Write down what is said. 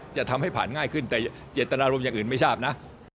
จะทำให้ผ่านง่ายขึ้นแต่เจตนารมณ์อย่างอื่นไม่ทราบนะ